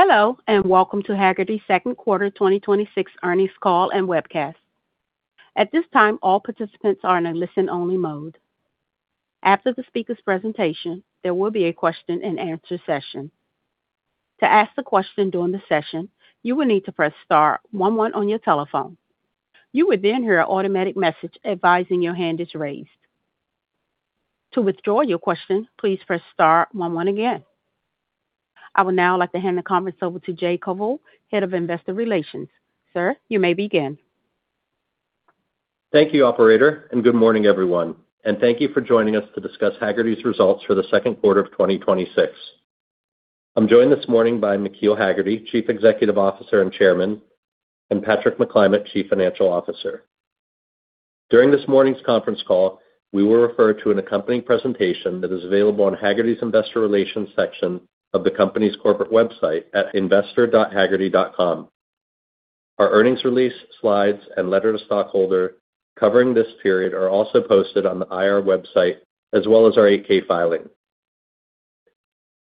Hello, welcome to Hagerty's second quarter 2026 earnings call and webcast. At this time, all participants are in a listen-only mode. After the speaker's presentation, there will be a question and answer session. To ask the question during the session, you will need to press star one one on your telephone. You will then hear an automatic message advising your hand is raised. To withdraw your question, please press star one one again. I would now like to hand the conference over to Jay Koval, Head of Investor Relations. Sir, you may begin. Thank you, Operator, good morning, everyone, and thank you for joining us to discuss Hagerty's results for the second quarter of 2026. I'm joined this morning by McKeel Hagerty, Chief Executive Officer and Chairman, and Patrick McClymont, Chief Financial Officer. During this morning's conference call, we will refer to an accompanying presentation that is available on Hagerty's Investor Relations section of the company's corporate website at investor.hagerty.com. Our earnings release slides and letter to stockholder covering this period are also posted on the IR website, as well as our 8-K filing.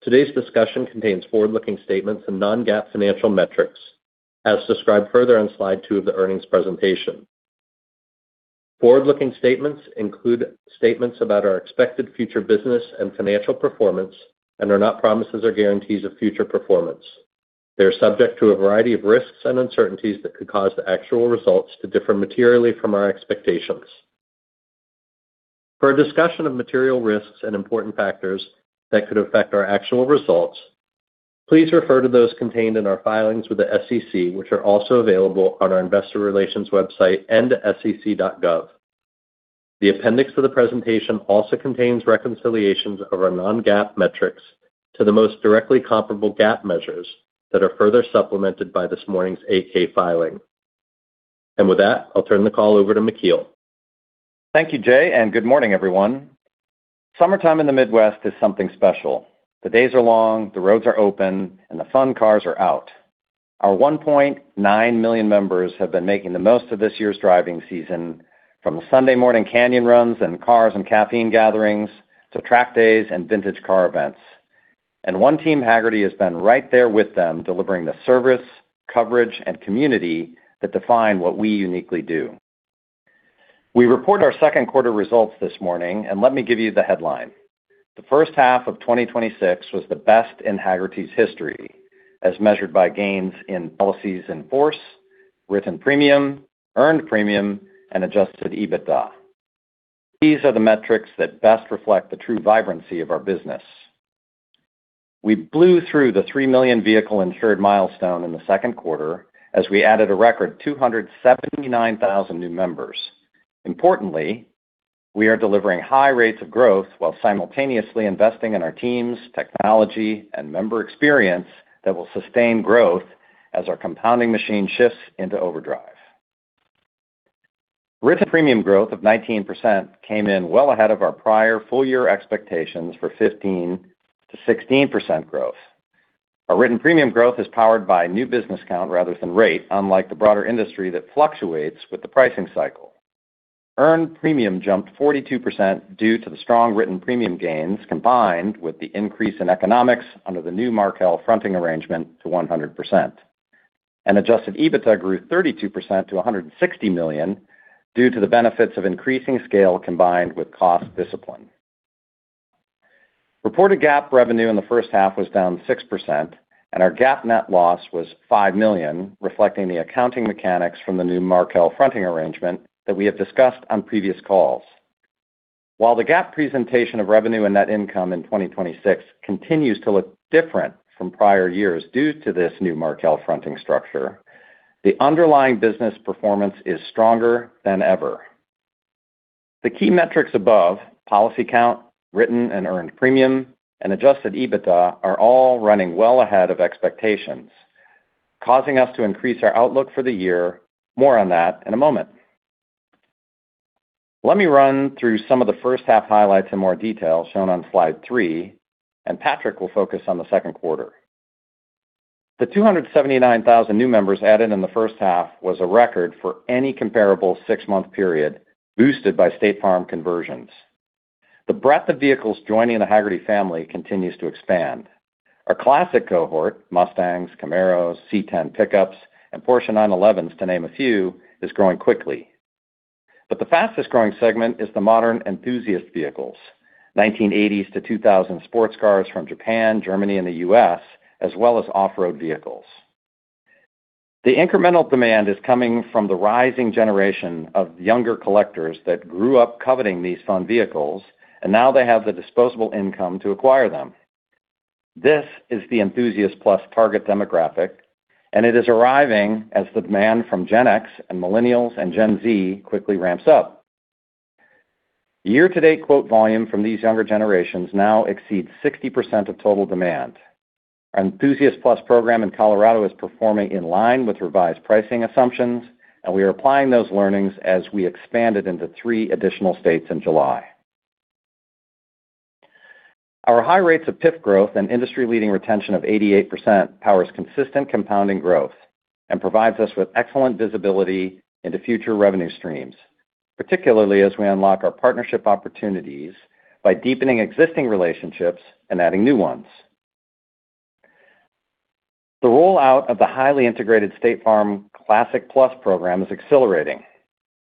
Today's discussion contains forward-looking statements and non-GAAP financial metrics as described further on slide two of the earnings presentation. Forward-looking statements include statements about our expected future business and financial performance and are not promises or guarantees of future performance. They are subject to a variety of risks and uncertainties that could cause actual results to differ materially from our expectations. For a discussion of material risks and important factors that could affect our actual results, please refer to those contained in our filings with the SEC, which are also available on our Investor Relations website and sec.gov. The appendix to the presentation also contains reconciliations of our non-GAAP metrics to the most directly comparable GAAP measures that are further supplemented by this morning's 8-K filing. With that, I'll turn the call over to McKeel. Thank you, Jay, and good morning, everyone. Summertime in the Midwest is something special. The days are long, the roads are open, and the fun cars are out. Our 1.9 million members have been making the most of this year's driving season, from the Sunday morning canyon runs and Cars & Caffeine gatherings to track days and vintage car events. One Team Hagerty has been right there with them, delivering the service, coverage, and community that define what we uniquely do. We report our second quarter results this morning, and let me give you the headline. The first half of 2026 was the best in Hagerty's history, as measured by gains in policies in force, written premium, earned premium, and adjusted EBITDA. These are the metrics that best reflect the true vibrancy of our business. We blew through the 3 million vehicle insured milestone in the second quarter as we added a record 279,000 new members. Importantly, we are delivering high rates of growth while simultaneously investing in our teams, technology, and member experience that will sustain growth as our compounding machine shifts into overdrive. Written premium growth of 19% came in well ahead of our prior full year expectations for 15%-16% growth. Our written premium growth is powered by new business count rather than rate, unlike the broader industry that fluctuates with the pricing cycle. Earned premium jumped 42% due to the strong written premium gains, combined with the increase in economics under the new Markel Fronting Arrangement to 100%. Adjusted EBITDA grew 32% to $160 million due to the benefits of increasing scale combined with cost discipline. Reported GAAP revenue in the first half was down 6%, and our GAAP net loss was $5 million, reflecting the accounting mechanics from the new Markel Fronting Arrangement that we have discussed on previous calls. While the GAAP presentation of revenue and net income in 2026 continues to look different from prior years due to this new Markel Fronting structure, the underlying business performance is stronger than ever. The key metrics above, policy count, written and earned premium, and adjusted EBITDA are all running well ahead of expectations, causing us to increase our outlook for the year. More on that in a moment. Let me run through some of the first half highlights in more detail, shown on slide three, and Patrick will focus on the second quarter. The 279,000 new members added in the first half was a record for any comparable six-month period, boosted by State Farm conversions. The breadth of vehicles joining the Hagerty family continues to expand. Our classic cohort, Mustangs, Camaros, C10 pickups, and Porsche 911s, to name a few, is growing quickly. But the fastest-growing segment is the modern enthusiast vehicles, 1980s-2000 sports cars from Japan, Germany, and the U.S., as well as off-road vehicles. The incremental demand is coming from the rising generation of younger collectors that grew up coveting these fun vehicles, and now they have the disposable income to acquire them. This is the Enthusiast+ target demographic, and it is arriving as the demand from Gen X and Millennials and Gen Z quickly ramps up. Year-to-date quote volume from these younger generations now exceeds 60% of total demand. Our Enthusiast+ program in Colorado is performing in line with revised pricing assumptions, and we are applying those learnings as we expand it into three additional states in July. Our high rates of PIF growth and industry-leading retention of 88% powers consistent compounding growth and provides us with excellent visibility into future revenue streams. Particularly as we unlock our partnership opportunities by deepening existing relationships and adding new ones. The rollout of the highly integrated State Farm Classic+ program is accelerating.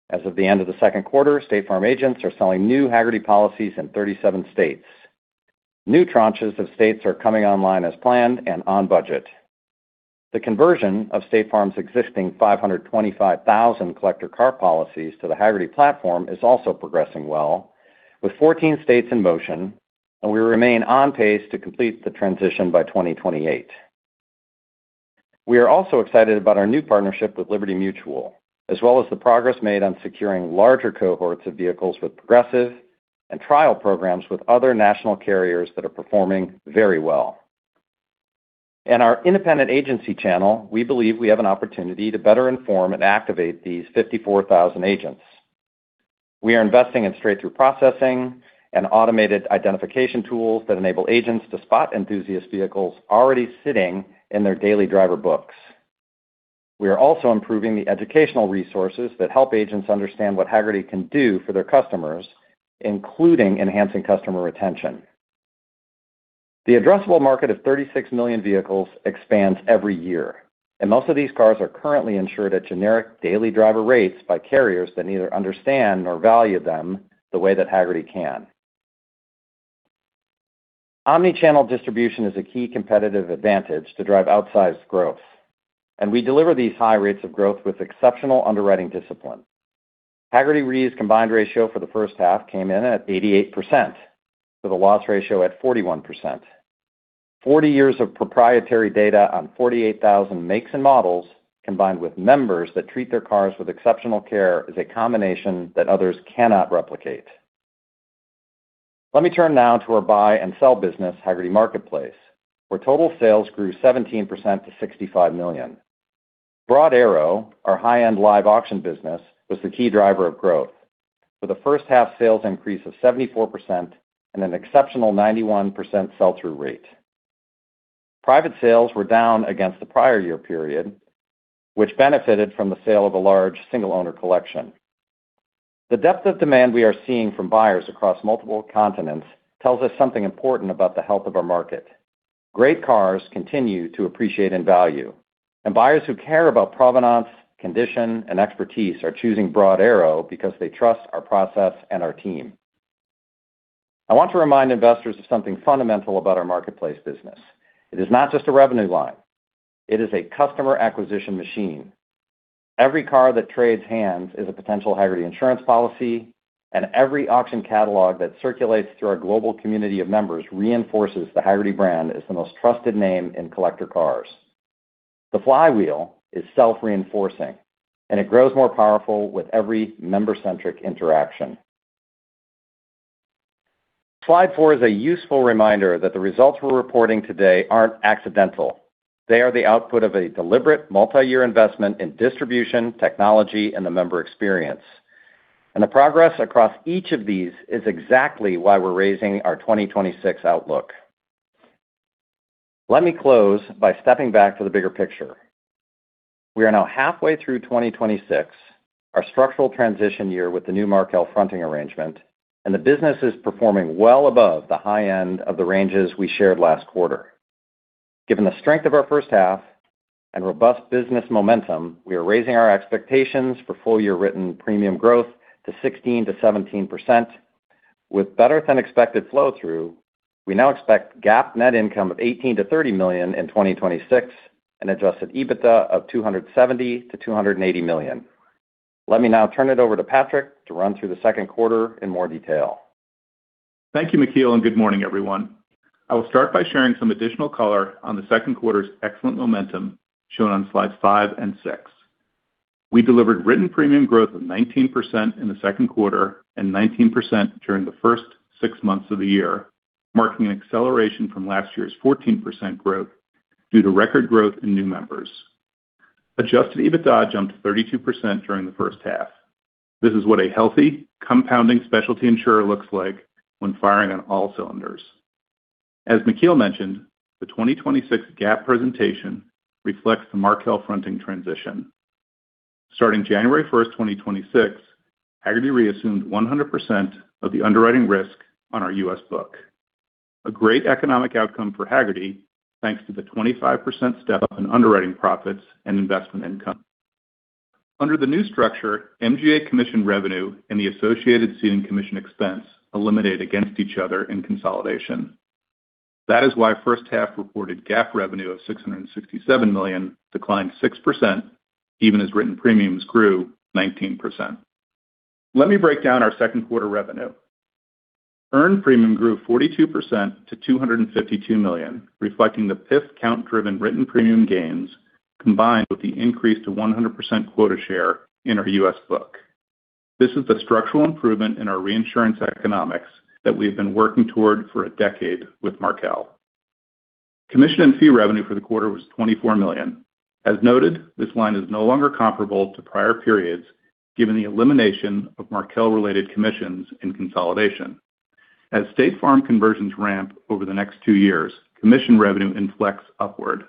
As of the end of the second quarter, State Farm agents are selling new Hagerty policies in 37 states. New tranches of states are coming online as planned and on budget. The conversion of State Farm's existing 525,000 collector car policies to the Hagerty platform is also progressing well with 14 states in motion, and we remain on pace to complete the transition by 2028. We are also excited about our new partnership with Liberty Mutual, as well as the progress made on securing larger cohorts of vehicles with Progressive and trial programs with other national carriers that are performing very well. In our independent agency channel, we believe we have an opportunity to better inform and activate these 54,000 agents. We are investing in straight-through processing and automated identification tools that enable agents to spot enthusiast vehicles already sitting in their daily driver books. We are also improving the educational resources that help agents understand what Hagerty can do for their customers, including enhancing customer retention. The addressable market of 36 million vehicles expands every year, and most of these cars are currently insured at generic daily driver rates by carriers that neither understand nor value them the way that Hagerty can. Omnichannel distribution is a key competitive advantage to drive outsized growth. We deliver these high rates of growth with exceptional underwriting discipline. Hagerty Re's combined ratio for the first half came in at 88%, with a loss ratio at 41%. 40 years of proprietary data on 48,000 makes and models, combined with members that treat their cars with exceptional care, is a combination that others cannot replicate. Let me turn now to our buy and sell business, Hagerty Marketplace, where total sales grew 17% to $65 million. Broad Arrow, our high-end live auction business, was the key driver of growth with a first-half sales increase of 74% and an exceptional 91% sell-through rate. Private sales were down against the prior year period, which benefited from the sale of a large single-owner collection. The depth of demand we are seeing from buyers across multiple continents tells us something important about the health of our market. Great cars continue to appreciate in value. Buyers who care about provenance, condition, and expertise are choosing Broad Arrow because they trust our process and our team. I want to remind investors of something fundamental about our marketplace business. It is not just a revenue line. It is a customer acquisition machine. Every car that trades hands is a potential Hagerty insurance policy. Every auction catalog that circulates through our global community of members reinforces the Hagerty brand as the most trusted name in collector cars. The flywheel is self-reinforcing. It grows more powerful with every member-centric interaction. Slide four is a useful reminder that the results we're reporting today aren't accidental. They are the output of a deliberate multi-year investment in distribution, technology, and the member experience. The progress across each of these is exactly why we're raising our 2026 outlook. Let me close by stepping back to the bigger picture. We are now halfway through 2026, our structural transition year with the new Markel fronting arrangement. The business is performing well above the high end of the ranges we shared last quarter. Given the strength of our first half and robust business momentum, we are raising our expectations for full-year written premium growth to 16%-17%. With better-than-expected flow-through, we now expect GAAP net income of $18 million-$30 million in 2026 and adjusted EBITDA of $270 million-$280 million. Let me now turn it over to Patrick to run through the second quarter in more detail. Thank you, McKeel, and good morning, everyone. I will start by sharing some additional color on the second quarter's excellent momentum shown on slides five and six. We delivered written premium growth of 19% in the second quarter and 19% during the first six months of the year, marking an acceleration from last year's 14% growth due to record growth in new members. Adjusted EBITDA jumped 32% during the first half. This is what a healthy, compounding specialty insurer looks like when firing on all cylinders. As McKeel mentioned, the 2026 GAAP presentation reflects the Markel Fronting Arrangement. Starting January 1st, 2026, Hagerty reassumed 100% of the underwriting risk on our U.S. book. A great economic outcome for Hagerty, thanks to the 25% step-up in underwriting profits and investment income. Under the new structure, MGA commission revenue and the associated ceding commission expense eliminate against each other in consolidation. That is why first half reported GAAP revenue of $667 million declined 6%, even as written premiums grew 19%. Let me break down our second quarter revenue. Earned premium grew 42% to $252 million, reflecting the PIF count-driven written premium gains, combined with the increase to 100% quota share in our U.S. book. This is the structural improvement in our reinsurance economics that we have been working toward for a decade with Markel. Commission and fee revenue for the quarter was $24 million. As noted, this line is no longer comparable to prior periods given the elimination of Markel-related commissions in consolidation. As State Farm conversions ramp over the next two years, commission revenue inflects upward.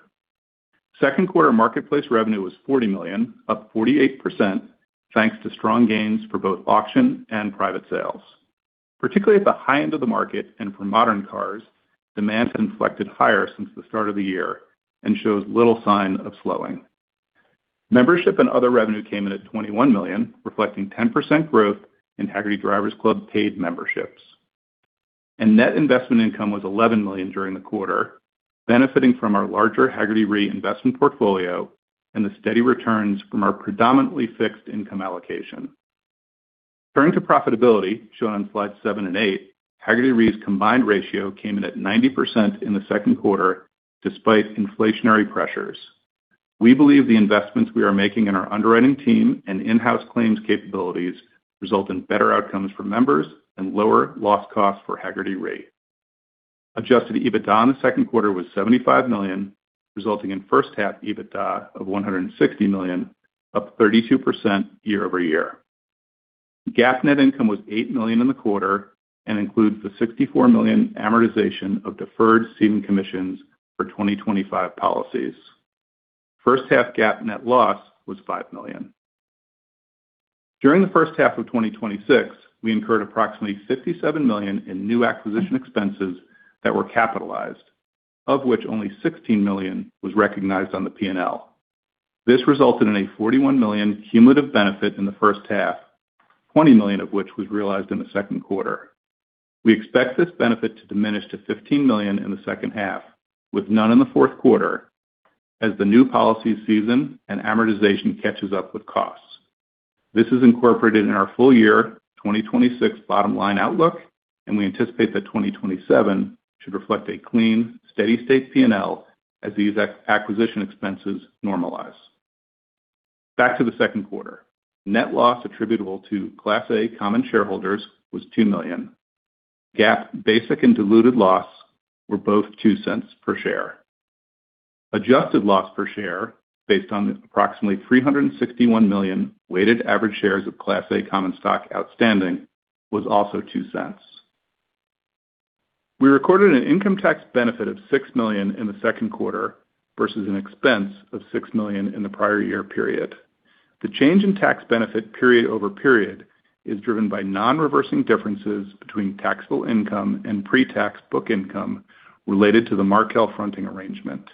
Second quarter Marketplace revenue was $40 million, up 48%, thanks to strong gains for both auction and private sales. Particularly at the high end of the market and for modern cars, demand has inflected higher since the start of the year and shows little sign of slowing. Membership and other revenue came in at $21 million, reflecting 10% growth in Hagerty Drivers Club paid memberships. Net investment income was $11 million during the quarter, benefiting from our larger Hagerty Re investment portfolio and the steady returns from our predominantly fixed income allocation. Turning to profitability, shown on slides seven and eight, Hagerty Re's combined ratio came in at 90% in the second quarter, despite inflationary pressures. We believe the investments we are making in our underwriting team and in-house claims capabilities result in better outcomes for members and lower loss costs for Hagerty Re. Adjusted EBITDA in the second quarter was $75 million, resulting in first half EBITDA of $160 million, up 32% year-over-year. GAAP net income was $8 million in the quarter, and includes the $64 million amortization of deferred ceding commissions for 2025 policies. First half GAAP net loss was $5 million. During the first half of 2026, we incurred approximately $57 million in new acquisition expenses that were capitalized, of which only $16 million was recognized on the P&L. This resulted in a $41 million cumulative benefit in the first half, $20 million of which was realized in the second quarter. We expect this benefit to diminish to $15 million in the second half, with none in the fourth quarter, as the new policy season and amortization catches up with costs. This is incorporated in our full year 2026 bottom-line outlook, and we anticipate that 2027 should reflect a clean, steady state P&L as these acquisition expenses normalize. Back to the second quarter. Net loss attributable to Class A common shareholders was $2 million. GAAP basic and diluted loss were both $0.02 per share. Adjusted loss per share, based on approximately 361 million weighted average shares of Class A common stock outstanding, was also $0.02. We recorded an income tax benefit of $6 million in the second quarter versus an expense of $6 million in the prior year period. The change in tax benefit period over period is driven by non-reversing differences between taxable income and pre-tax book income related to the Markel Fronting Arrangement.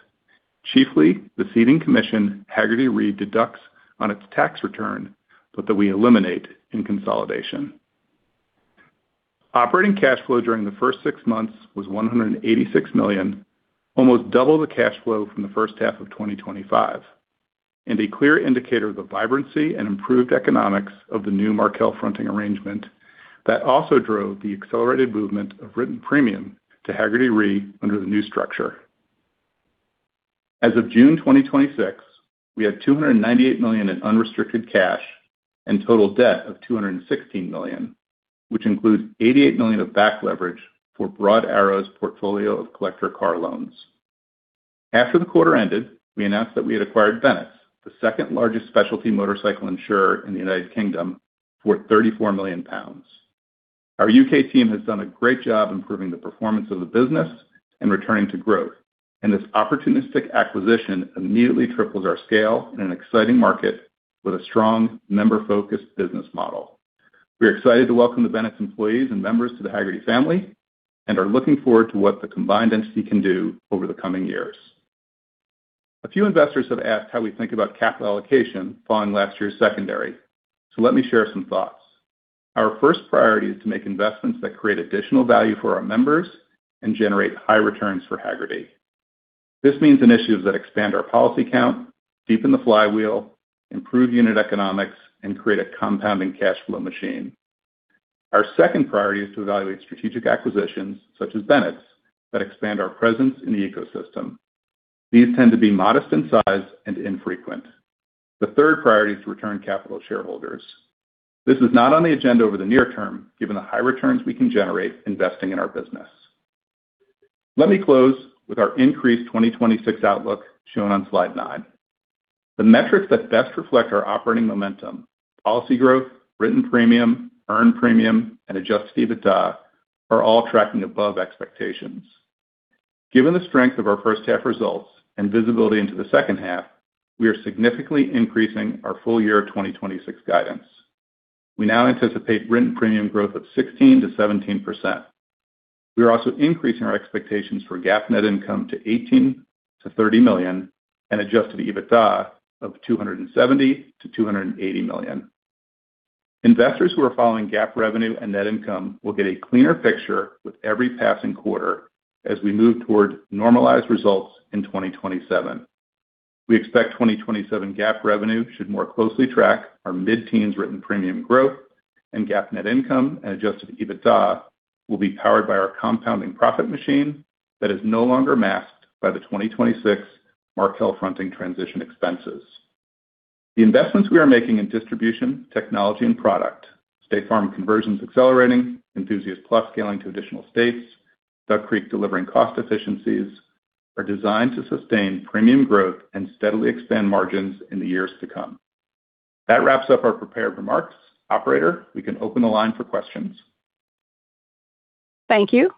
Chiefly, the ceding commission Hagerty Re deducts on its tax return, but that we eliminate in consolidation. Operating cash flow during the first six months was $186 million, almost double the cash flow from the first half of 2025. A clear indicator of the vibrancy and improved economics of the new Markel Fronting Arrangement that also drove the accelerated movement of written premium to Hagerty Re under the new structure. As of June 2026, we had $298 million in unrestricted cash and total debt of $216 million, which includes $88 million of back leverage for Broad Arrow's portfolio of collector car loans. After the quarter ended, we announced that we had acquired Bennetts, the second largest specialty motorcycle insurer in the U.K., for 34 million pounds. Our U.K. team has done a great job improving the performance of the business and returning to growth. This opportunistic acquisition immediately triples our scale in an exciting market with a strong member-focused business model. We are excited to welcome the Bennetts employees and members to the Hagerty family and are looking forward to what the combined entity can do over the coming years. A few investors have asked how we think about capital allocation following last year's secondary. Let me share some thoughts. Our first priority is to make investments that create additional value for our members and generate high returns for Hagerty. This means initiatives that expand our policy count, deepen the flywheel, improve unit economics, and create a compounding cash flow machine. Our second priority is to evaluate strategic acquisitions, such as Bennetts, that expand our presence in the ecosystem. These tend to be modest in size and infrequent. The third priority is to return capital to shareholders. This is not on the agenda over the near term, given the high returns we can generate investing in our business. Let me close with our increased 2026 outlook, shown on slide nine. The metrics that best reflect our operating momentum, policy growth, written premium, earned premium, and adjusted EBITDA, are all tracking above expectations. Given the strength of our first half results and visibility into the second half, we are significantly increasing our full year 2026 guidance. We now anticipate written premium growth of 16%-17%. We are also increasing our expectations for GAAP net income to $18 million-$30 million and adjusted EBITDA of $270 million-$280 million. Investors who are following GAAP revenue and net income will get a cleaner picture with every passing quarter as we move toward normalized results in 2027. We expect 2027 GAAP revenue should more closely track our mid-teens written premium growth and GAAP net income and adjusted EBITDA will be powered by our compounding profit machine that is no longer masked by the 2026 Markel fronting transition expenses. The investments we are making in distribution, technology, and product, State Farm conversions accelerating, Enthusiast+ scaling to additional states, Duck Creek delivering cost efficiencies, are designed to sustain premium growth and steadily expand margins in the years to come. That wraps up our prepared remarks. Operator, we can open the line for questions. Thank you.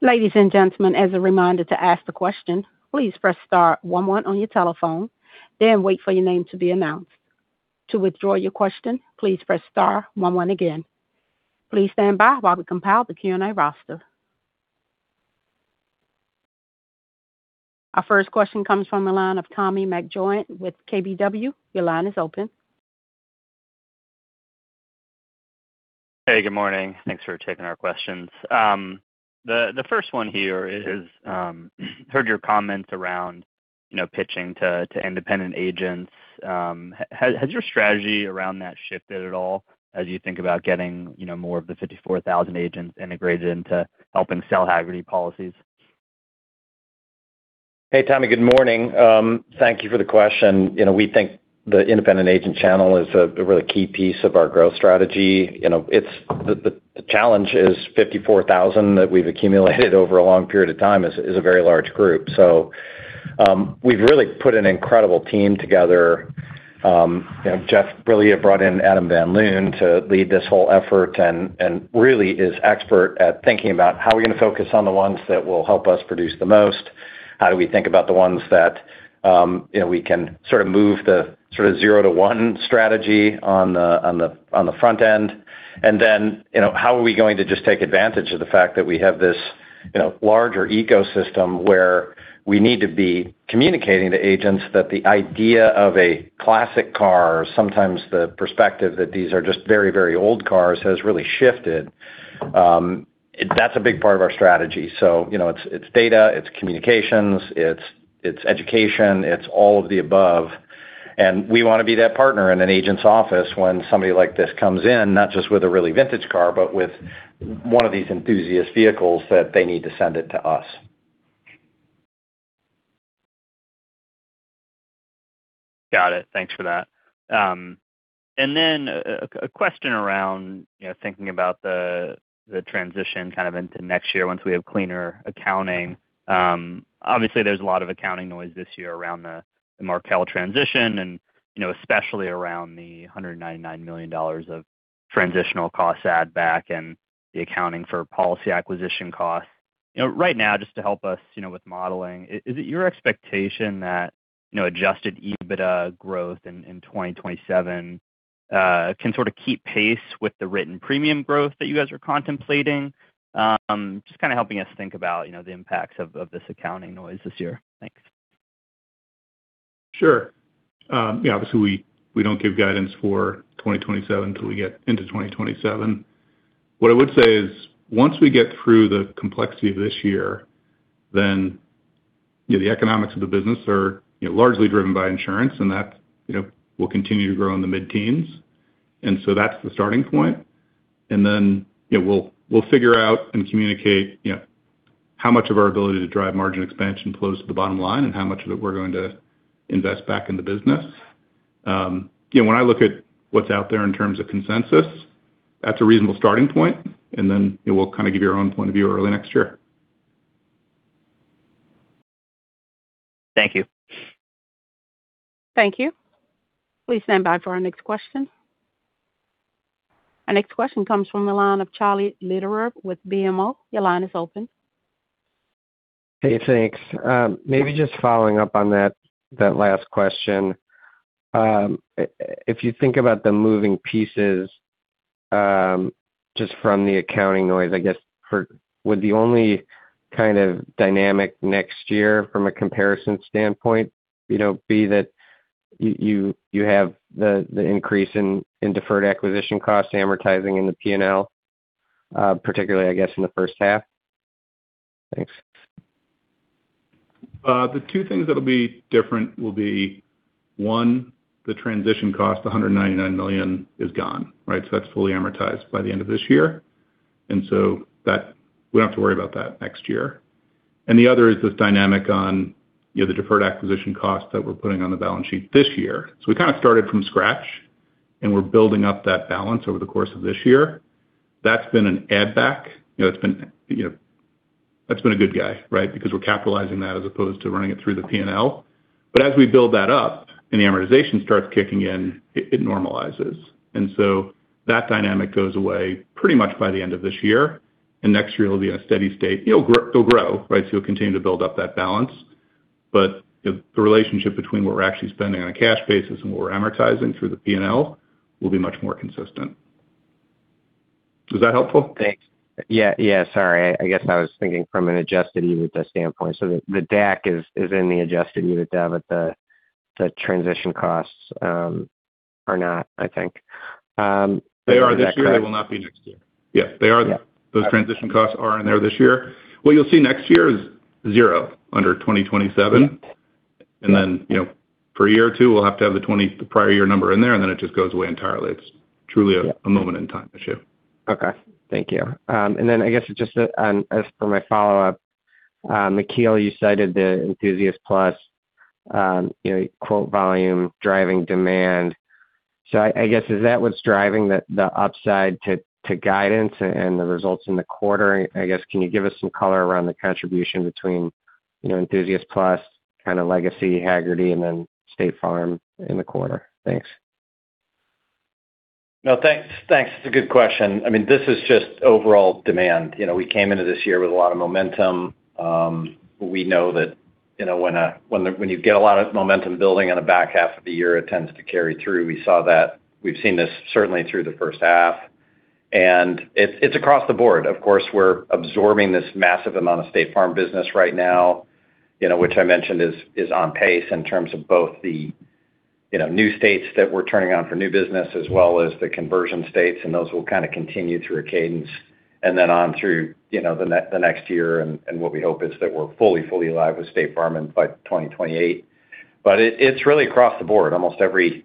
Ladies and gentlemen, as a reminder to ask the question, please press star one one on your telephone, then wait for your name to be announced. To withdraw your question, please press star one one again. Please stand by while we compile the Q&A roster. Our first question comes from the line of Tommy McJoynt with KBW. Your line is open. Hey, good morning. Thanks for taking our questions. The first one here is, heard your comments around pitching to independent agents. Has your strategy around that shifted at all as you think about getting more of the 54,000 agents integrated into helping sell Hagerty policies? Hey, Tommy. Good morning. Thank you for the question. We think the independent agent channel is a really key piece of our growth strategy. The challenge is 54,000 that we've accumulated over a long period of time is a very large group. We've really put an incredible team together. Jeff Briglia brought in Adam Van Loon to lead this whole effort, and really is expert at thinking about how we're going to focus on the ones that will help us produce the most, how do we think about the ones that we can sort of move the sort of zero to one strategy on the front end. How are we going to just take advantage of the fact that we have this larger ecosystem where we need to be communicating to agents that the idea of a classic car, or sometimes the perspective that these are just very old cars has really shifted. That's a big part of our strategy. It's data, it's communications, it's education, it's all of the above, and we want to be that partner in an agent's office when somebody like this comes in, not just with a really vintage car, but with one of these enthusiast vehicles that they need to send it to us. Got it. Thanks for that. A question around thinking about the transition kind of into next year once we have cleaner accounting. Obviously, there's a lot of accounting noise this year around the Markel transition and especially around the $199 million of transitional costs add back and the accounting for policy acquisition costs. Right now, just to help us with modeling, is it your expectation that adjusted EBITDA growth in 2027 can sort of keep pace with the written premium growth that you guys are contemplating? Just kind of helping us think about the impacts of this accounting noise this year. Thanks. Sure. Obviously, we don't give guidance for 2027 till we get into 2027. What I would say is, once we get through the complexity of this year, the economics of the business are largely driven by insurance, and that will continue to grow in the mid-teens. That's the starting point. We'll figure out and communicate how much of our ability to drive margin expansion flows to the bottom line and how much of it we're going to invest back in the business. When I look at what's out there in terms of consensus, that's a reasonable starting point, and then we'll kind of give our own point of view early next year. Thank you. Thank you. Please stand by for our next question. Our next question comes from the line of Charlie Lederer with BMO. Your line is open. Hey, thanks. Maybe just following up on that last question. If you think about the moving pieces, just from the accounting noise, I guess, would the only kind of dynamic next year from a comparison standpoint be that you have the increase in deferred acquisition costs amortizing in the P&L, particularly, I guess, in the first half? Thanks. The two things that'll be different will be, one, the transition cost, $199 million, is gone, right? That's fully amortized by the end of this year. We don't have to worry about that next year. The other is this dynamic on the deferred acquisition costs that we're putting on the balance sheet this year. We kind of started from scratch, and we're building up that balance over the course of this year. That's been an add back. That's been a good guy, right? Because we're capitalizing that as opposed to running it through the P&L. As we build that up and the amortization starts kicking in, it normalizes. That dynamic goes away pretty much by the end of this year. Next year it'll be in a steady state. It'll grow, right? You'll continue to build up that balance. The relationship between what we're actually spending on a cash basis and what we're amortizing through the P&L will be much more consistent. Was that helpful? Thanks. Yeah, sorry. I guess I was thinking from an adjusted EBITDA standpoint. The DAC is in the adjusted EBITDA, but the transition costs are not, I think. Is that correct? They are this year. They will not be next year. Yeah. Yeah. Those transition costs are in there this year. What you'll see next year is zero under 2027. Yeah. For a year or two, we'll have to have the prior year number in there, and then it just goes away entirely. It's truly a moment in time issue. Thank you. I guess just as for my follow-up, McKeel, you cited the Enthusiast+ quote volume driving demand. I guess, is that what's driving the upside to guidance and the results in the quarter? I guess, can you give us some color around the contribution between Enthusiast+, kind of legacy Hagerty, and then State Farm in the quarter? Thanks. No, thanks. It's a good question. This is just overall demand. We came into this year with a lot of momentum. We know that when you get a lot of momentum building in the back half of the year, it tends to carry through. We've seen this certainly through the first half. It's across the board. Of course, we're absorbing this massive amount of State Farm business right now, which I mentioned is on pace in terms of both the new states that we're turning on for new business, as well as the conversion states, and those will kind of continue through a cadence, and then on through the next year. What we hope is that we're fully alive with State Farm by 2028. It's really across the board. Almost every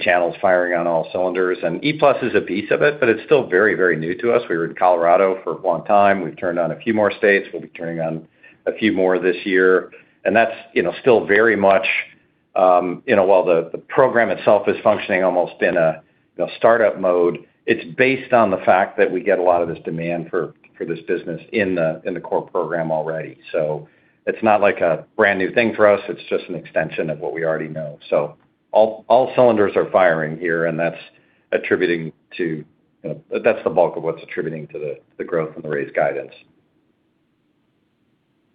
channel is firing on all cylinders. E+ is a piece of it, but it's still very new to us. We were in Colorado for a long time. We've turned on a few more states. We'll be turning on a few more this year. That's still very much, while the program itself is functioning almost in a startup mode, it's based on the fact that we get a lot of this demand for this business in the core program already. It's not like a brand new thing for us, it's just an extension of what we already know. All cylinders are firing here, and that's the bulk of what's attributing to the growth and the raised guidance.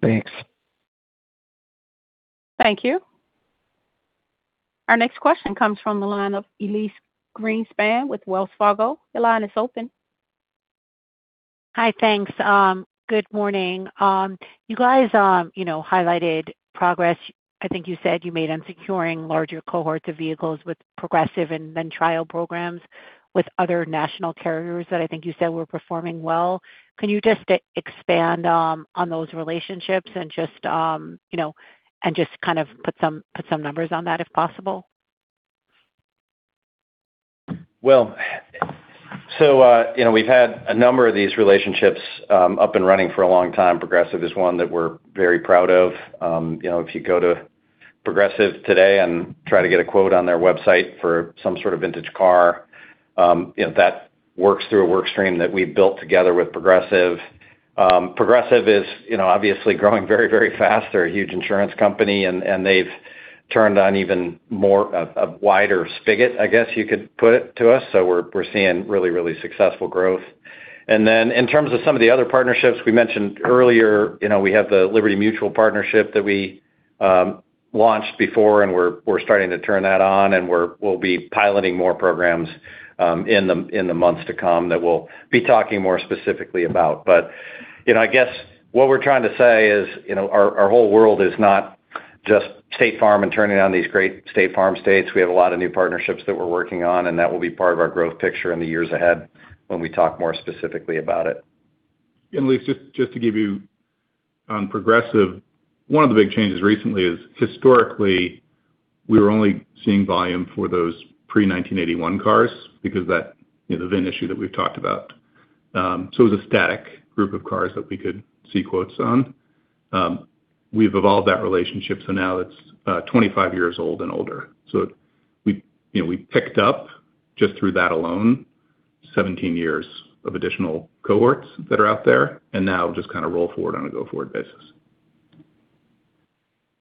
Thanks. Thank you. Our next question comes from the line of Elyse Greenspan with Wells Fargo. Your line is open. Hi, thanks. Good morning. You guys highlighted progress, I think you said you made on securing larger cohorts of vehicles with Progressive and then trial programs with other national carriers that I think you said were performing well. Can you just expand on those relationships and just kind of put some numbers on that if possible? We've had a number of these relationships up and running for a long time. Progressive is one that we're very proud of. If you go to Progressive today and try to get a quote on their website for some sort of vintage car, that works through a work stream that we built together with Progressive. Progressive is obviously growing very fast. They're a huge insurance company. They've turned on even more of wider spigot, I guess you could put it, to us. We're seeing really successful growth. In terms of some of the other partnerships we mentioned earlier, we have the Liberty Mutual partnership that we launched before. We're starting to turn that on, and we'll be piloting more programs in the months to come that we'll be talking more specifically about. I guess what we're trying to say is our whole world is not just State Farm and turning on these great State Farm states. We have a lot of new partnerships that we're working on, and that will be part of our growth picture in the years ahead when we talk more specifically about it. Elyse, just to give you on Progressive, one of the big changes recently is historically, we were only seeing volume for those pre-1981 cars because that VIN issue that we've talked about. It was a static group of cars that we could see quotes on. We've evolved that relationship, so now it's 25 years old and older. We picked up just through that alone, 17 years of additional cohorts that are out there, and now just kind of roll forward on a go-forward basis.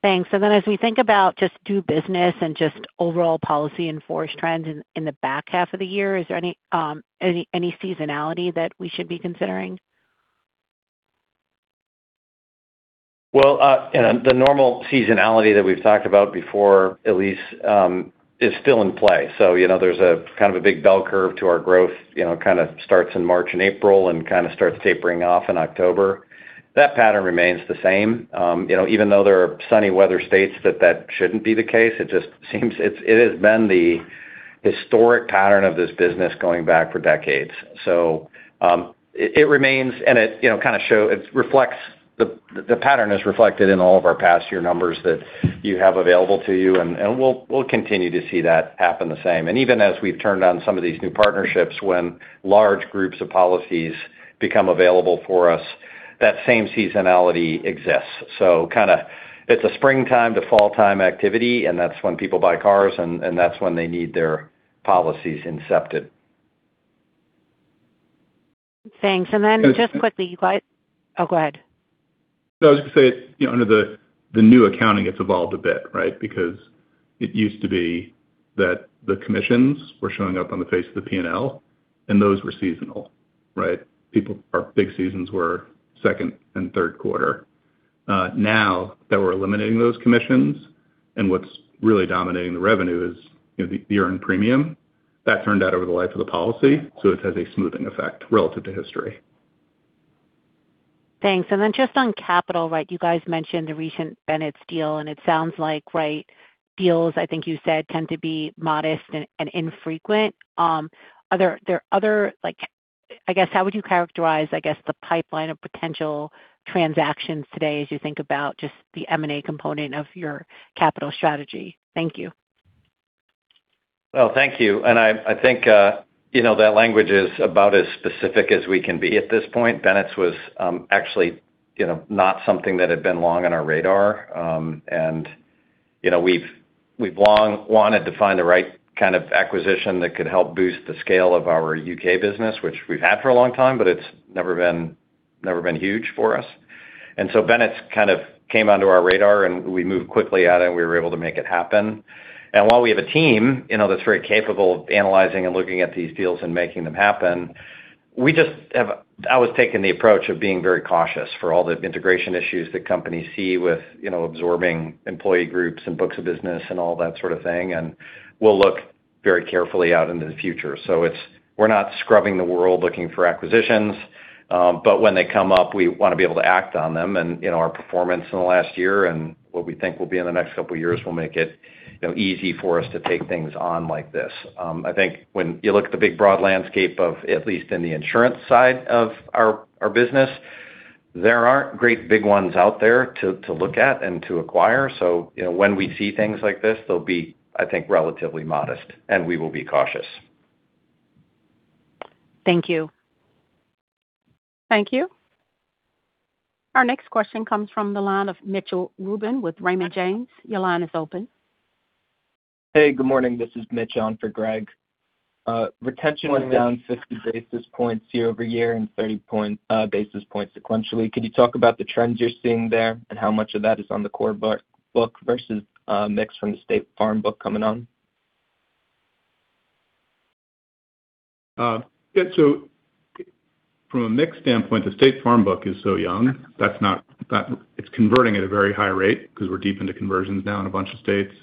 Thanks. As we think about just new business and just overall policy in-force trends in the back half of the year, is there any seasonality that we should be considering? Well, the normal seasonality that we've talked about before, Elyse, is still in play. There's a kind of a big bell curve to our growth, kind of starts in March and April and kind of starts tapering off in October. That pattern remains the same. Even though there are sunny weather states that that shouldn't be the case, it just seems it has been the historic pattern of this business going back for decades. It remains and the pattern is reflected in all of our past year numbers that you have available to you, and we'll continue to see that happen the same. Even as we've turned on some of these new partnerships, when large groups of policies become available for us, that same seasonality exists. It's a springtime to fall time activity, and that's when people buy cars, and that's when they need their policies incepted. Thanks. Just quickly- Oh, go ahead. I was going to say, under the new accounting, it's evolved a bit, right? It used to be that the commissions were showing up on the face of the P&L, and those were seasonal, right? Our big seasons were second and third quarter. Now that we're eliminating those commissions and what's really dominating the revenue is the earned premium, that turned out over the life of the policy. It has a smoothing effect relative to history. Thanks. Just on capital, you guys mentioned the recent Bennetts deal, and it sounds like deals, I think you said, tend to be modest and infrequent. I guess, how would you characterize the pipeline of potential transactions today as you think about just the M&A component of your capital strategy? Thank you. Well, thank you. I think that language is about as specific as we can be at this point. Bennetts was actually not something that had been long on our radar. We've long wanted to find the right kind of acquisition that could help boost the scale of our U.K. business, which we've had for a long time, but it's never been huge for us. Bennetts came onto our radar, and we moved quickly at it, and we were able to make it happen. While we have a team that's very capable of analyzing and looking at these deals and making them happen, I was taking the approach of being very cautious for all the integration issues that companies see with absorbing employee groups and books of business and all that sort of thing. We'll look very carefully out into the future. We're not scrubbing the world looking for acquisitions. When they come up, we want to be able to act on them. Our performance in the last year and what we think will be in the next couple of years will make it easy for us to take things on like this. I think when you look at the big broad landscape of at least in the insurance side of our business, there aren't great big ones out there to look at and to acquire. When we see things like this, they'll be, I think, relatively modest, and we will be cautious. Thank you. Thank you. Our next question comes from the line of Mitchell Rubin with Raymond James. Your line is open. Hey, good morning. This is Mitch on for Greg. Retention was down 50 basis points year-over-year and 30 basis points sequentially. Can you talk about the trends you're seeing there and how much of that is on the core book versus mix from the State Farm book coming on? Yeah. From a mix standpoint, the State Farm book is so young. It's converting at a very high rate because we're deep into conversions now in a bunch of states.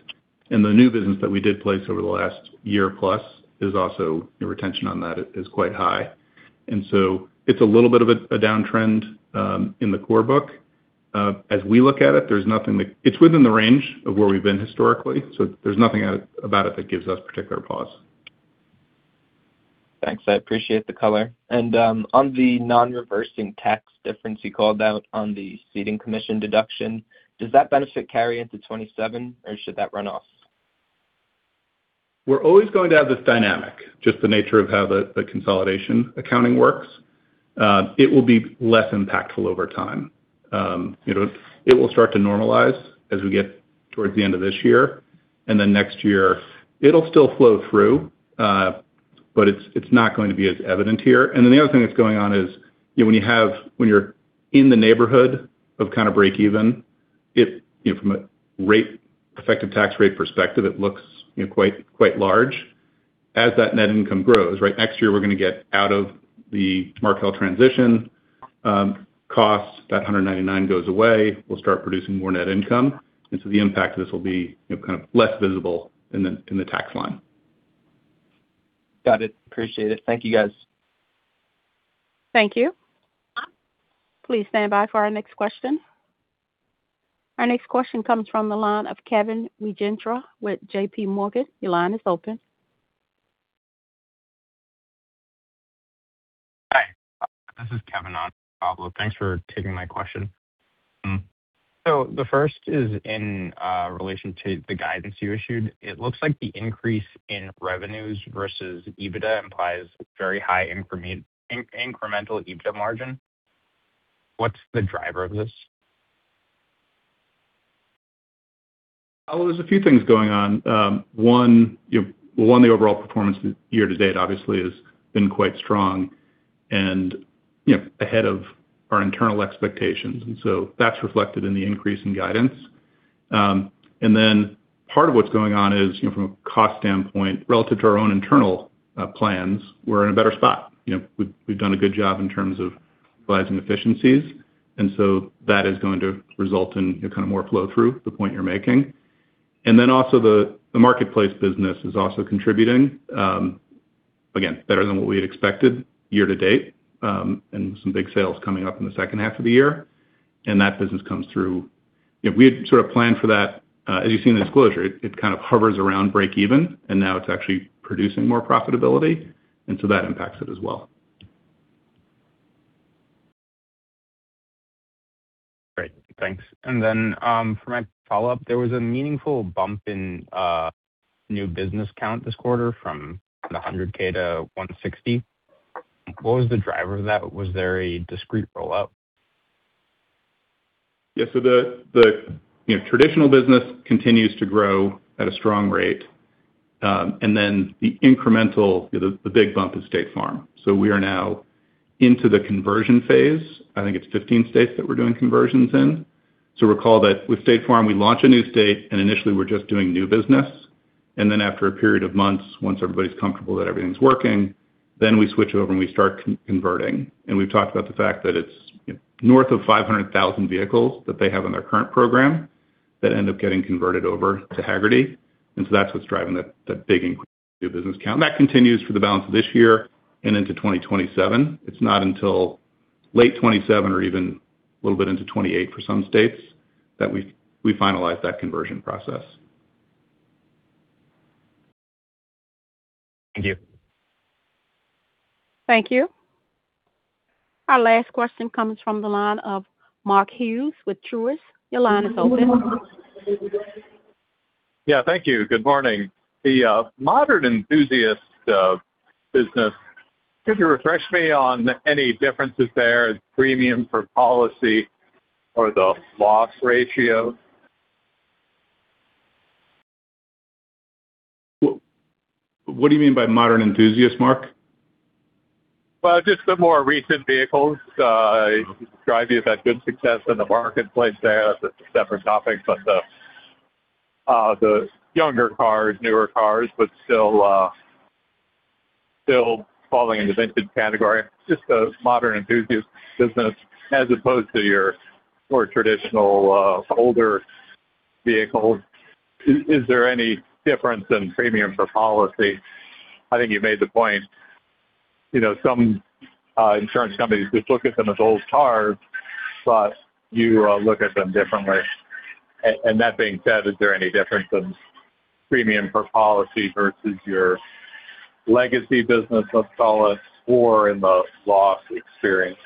The new business that we did place over the last year plus is also, the retention on that is quite high. It's a little bit of a downtrend in the core book. As we look at it's within the range of where we've been historically, so there's nothing about it that gives us particular pause. Thanks. I appreciate the color. On the non-reversing tax difference you called out on the ceding commission deduction, does that benefit carry into 2027 or should that run off? We're always going to have this dynamic, just the nature of how the consolidation accounting works. It will be less impactful over time. It will start to normalize as we get towards the end of this year. Next year it'll still flow through. It's not going to be as evident here. The other thing that's going on is when you're in the neighborhood of breakeven, from an effective tax rate perspective, it looks quite large. As that net income grows, right? Next year, we're going to get out of the Markel transition costs. That $199 million goes away. We'll start producing more net income. The impact of this will be less visible in the tax line. Got it. Appreciate it. Thank you guys. Thank you. Please stand by for our next question. Our next question comes from the line of Kevin Wijendra with JPMorgan. Your line is open. Hi, this is Kevin on for Pablo. Thanks for taking my question. The first is in relation to the guidance you issued. It looks like the increase in revenues versus EBITDA implies very high incremental EBITDA margin. What's the driver of this? Well, there's a few things going on. One, the overall performance year-to-date obviously has been quite strong and ahead of our internal expectations, that's reflected in the increase in guidance. Part of what's going on is, from a cost standpoint, relative to our own internal plans, we're in a better spot. We've done a good job in terms of providing efficiencies, that is going to result in more flow through, the point you're making. Also the marketplace business is also contributing, again, better than what we had expected year-to-date, and some big sales coming up in the second half of the year. That business comes through. We had planned for that. As you see in the disclosure, it hovers around breakeven, now it's actually producing more profitability, that impacts it as well. Great. Thanks. For my follow-up, there was a meaningful bump in new business count this quarter from 100,000 to 160,000. What was the driver of that? Was there a discrete rollout? The traditional business continues to grow at a strong rate. The incremental, the big bump is State Farm. We are now into the conversion phase. I think it's 15 states that we're doing conversions in. Recall that with State Farm, we launch a new state, and initially we're just doing new business. After a period of months, once everybody's comfortable that everything's working, then we switch over, and we start converting. We've talked about the fact that it's north of 500,000 vehicles that they have on their current program that end up getting converted over to Hagerty. That's what's driving that big increase in new business count. That continues for the balance of this year and into 2027. It's not until late 2027 or even a little bit into 2028 for some states that we finalize that conversion process. Thank you. Thank you. Our last question comes from the line of Mark Hughes with Truist. Your line is open. Yeah. Thank you. Good morning. The modern enthusiast business, could you refresh me on any differences there in premium for policy or the loss ratio? What do you mean by modern enthusiast, Mark? Well, just the more recent vehicles. Drive has had good success in the marketplace there. That's a separate topic, but the younger cars, newer cars, but still falling into vintage category, just a modern enthusiast business as opposed to your more traditional older vehicles. Is there any difference in premium for policy? I think you made the point, some insurance companies just look at them as old cars, but you look at them differently. That being said, is there any difference in premium for policy versus your legacy business of solace or in the loss experience?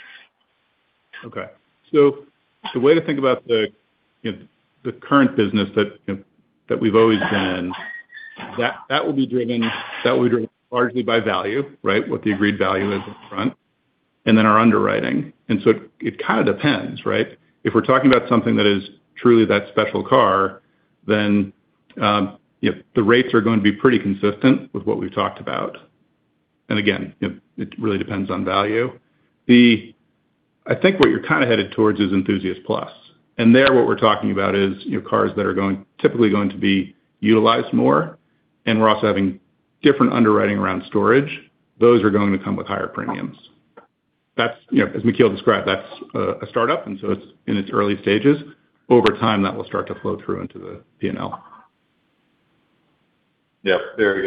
Okay. When you think about the current business that we've already done, that will be driven largely by value, right? What the agreed value is up front and then our underwriting. It kind of depends, right? If we're talking about something that is truly that special car, then the rates are going to be pretty consistent with what we've talked about. Again, it really depends on value. I think what you're kind of headed towards is Enthusiast+. There, what we're talking about is cars that are typically going to be utilized more, and we're also having different underwriting around storage. Those are going to come with higher premiums. As McKeel described, that's a startup, and so it's in its early stages. Over time, that will start to flow through into the P&L. Yep, very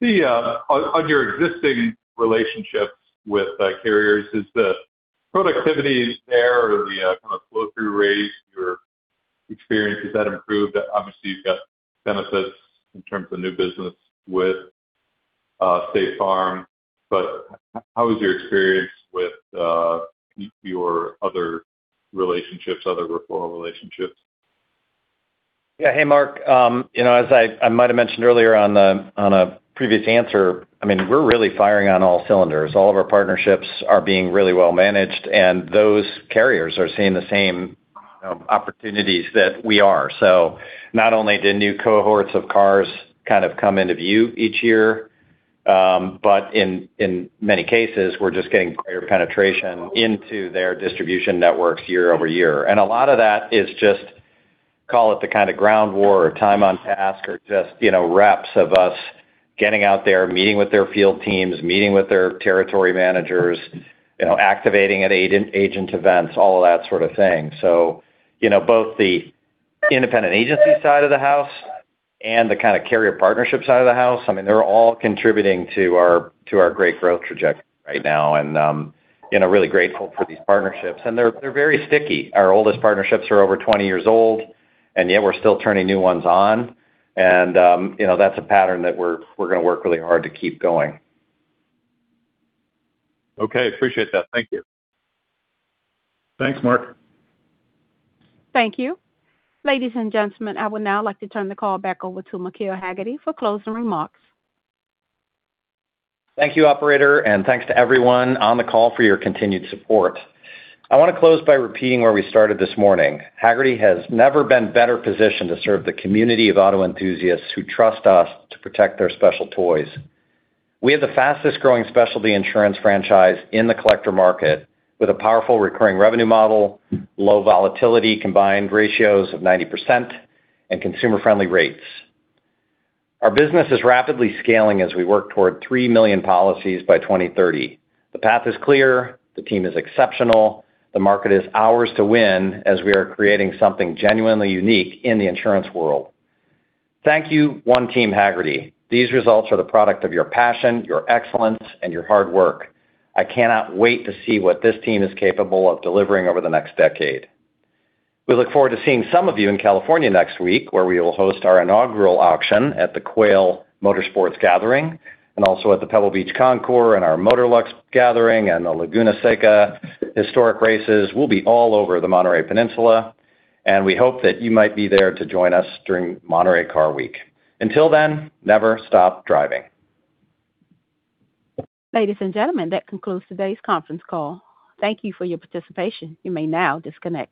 good. On your existing relationships with carriers, is the productivities there or the kind of flow through rates your experience, has that improved? Obviously, you've got benefits in terms of new business with State Farm. How is your experience with your other relationships, other referral relationships? Yeah. Hey, Mark. As I might have mentioned earlier on a previous answer, we're really firing on all cylinders. All of our partnerships are being really well managed, and those carriers are seeing the same opportunities that we are. Not only do new cohorts of cars kind of come into view each year, but in many cases, we're just getting greater penetration into their distribution networks year-over-year. A lot of that is just call it the kind of ground war or time on task or just reps of us getting out there, meeting with their field teams, meeting with their territory managers, activating at agent events, all of that sort of thing. Both the independent agency side of the house and the kind of carrier partnership side of the house, they're all contributing to our great growth trajectory right now. Really grateful for these partnerships. They're very sticky. Our oldest partnerships are over 20 years old, and yet we're still turning new ones on. That's a pattern that we're going to work really hard to keep going. Okay. Appreciate that. Thank you. Thanks, Mark. Thank you. Ladies and gentlemen, I would now like to turn the call back over to McKeel Hagerty for closing remarks. Thank you, Operator, and thanks to everyone on the call for your continued support. I want to close by repeating where we started this morning. Hagerty has never been better positioned to serve the community of auto enthusiasts who trust us to protect their special toys. We have the fastest growing specialty insurance franchise in the collector market with a powerful recurring revenue model, low volatility, combined ratios of 90%, and consumer-friendly rates. Our business is rapidly scaling as we work toward 3 million policies by 2030. The path is clear. The team is exceptional. The market is ours to win as we are creating something genuinely unique in the insurance world. Thank you, One Team Hagerty. These results are the product of your passion, your excellence, and your hard work. I cannot wait to see what this team is capable of delivering over the next decade. We look forward to seeing some of you in California next week, where we will host our inaugural auction at The Quail Motorsports Gathering and also at the Pebble Beach Concours and our Motorlux gathering and the Laguna Seca Historic Races. We'll be all over the Monterey Peninsula, and we hope that you might be there to join us during Monterey Car Week. Until then, never stop driving. Ladies and gentlemen, that concludes today's conference call. Thank you for your participation. You may now disconnect.